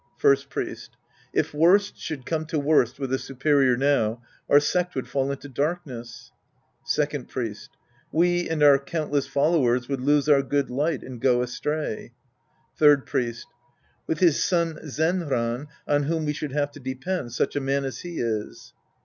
First F^iest. If worst should come to worst with the superior now, our sect would fall into darkness. Second Priest. We and our countless followers would lose our good light and go astray. Third Priest. With liis son Zenran, on whom we should have to depend, such a man as he is.